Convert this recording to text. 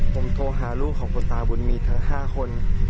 ผมโทรหาลูกของคุณตาบุญมีทั้ง๕คน